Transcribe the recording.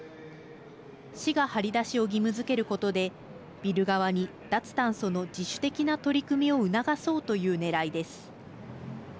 市が貼り出しを義務づけることでビル側に脱炭素の自主的な取り組みを促そうというねらいです。